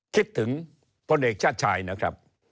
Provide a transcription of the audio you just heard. คิดถึงพลเอกชาติชายนะครับ